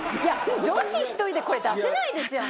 女子１人でこれ出せないですよね。